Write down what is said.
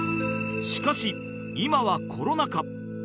しかし今はコロナ禍